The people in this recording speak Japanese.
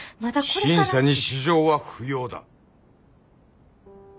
審査に私情は不要だ。